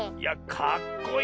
かっこいい！